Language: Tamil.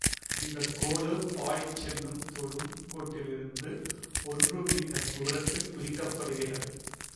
இந்தக் கோடு பாடிச் செல்லும் தொடும் கோட்டிலிருந்து ஒன்று மீட்டர் தூரத்தில் குறிக்கப்படுகிறது.